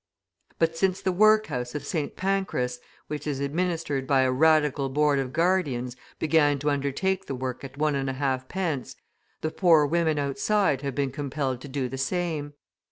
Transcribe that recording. but since the workhouse of St. Pancras, which is administered by a Radical board of guardians, began to undertake work at 1.5d., the poor women outside have been compelled to do the same.